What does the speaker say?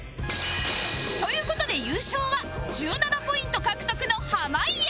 という事で優勝は１７ポイント獲得の濱家